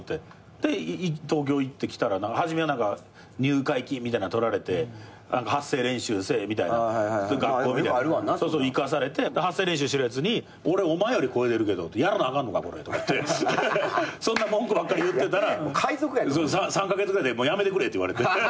で東京来たら初めは入会金みたいな取られて発声練習せえみたいな学校行かされて発声練習してるやつに俺お前より声出るけどやらなあかんのかこれ？とか言ってそんな文句ばっかり言ってたら３カ月ぐらいで「辞めてくれ」って言われて。